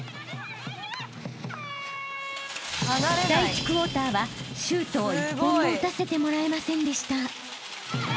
［第１クォーターはシュートを１本も打たせてもらえませんでした］